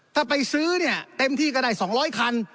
ถ้าไปซื้อเนี่ยเต็มที่ก็ได้๒๐๐คัน